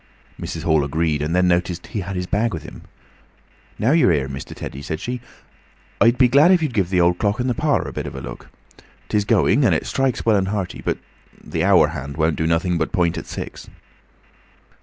Mrs. Hall agreed, and then noticed he had his bag with him. "Now you're here, Mr. Teddy," said she, "I'd be glad if you'd give th' old clock in the parlour a bit of a look. 'Tis going, and it strikes well and hearty; but the hour hand won't do nuthin' but point at six."